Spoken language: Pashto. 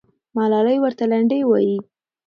ملالۍ ورته لنډۍ وایي.